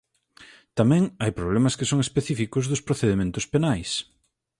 Tamén hai problemas que son específicos dos procedementos penais.